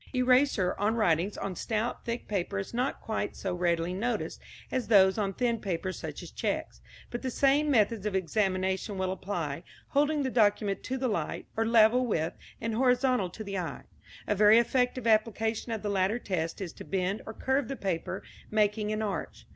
Erasure in writings on stout thick paper is not quite so readily noticed as those on thin paper such as cheques; but the same methods of examination will apply holding the document to the light, or level with and horizontal to the eye. A very effective application of the latter test is to bend or curve the paper, making an arch.